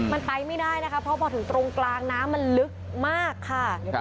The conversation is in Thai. มันไปไม่ได้นะคะเพราะพอถึงตรงกลางน้ำมันลึกมากค่ะ